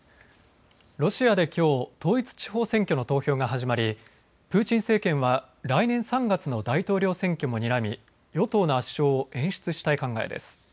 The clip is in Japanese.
ロシアできょう統一地方選挙の投票が始まりプーチン政権は来年３月の大統領選挙もにらみ与党の圧勝を演出したい流れです。